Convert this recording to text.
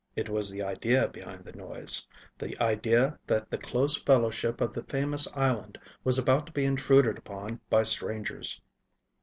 It was the idea behind the noise the idea that the close fellowship of the famous island was about to be intruded upon by strangers.